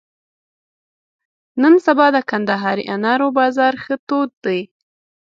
نن سبا د کندهاري انارو بازار ښه تود دی.